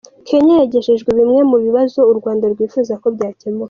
Kenya yagejejweho bimwe mu bibazo u Rwanda rwifuza ko byakemuka